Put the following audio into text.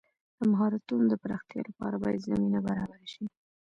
د مهارتونو د پراختیا لپاره باید زمینه برابره شي.